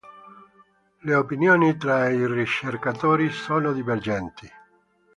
Le opinioni tra i ricercatori sono divergenti.